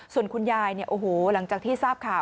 ส่วนคุณยายเนี่ยโอ้โหหลังจากที่ทราบข่าว